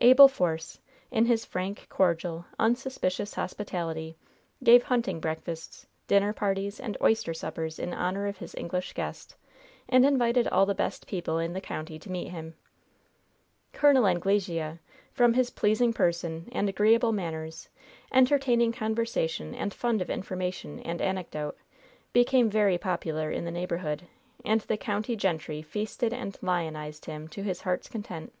Abel Force, in his frank, cordial, unsuspicious hospitality, gave hunting breakfasts, dinner parties and oyster suppers in honor of his English guest, and invited all the best people in the county to meet him. Col. Anglesea, from his pleasing person and agreeable manners, entertaining conversation, and fund of information and anecdote, became very popular in the neighborhood, and the county gentry feasted and lionized him to his heart's content.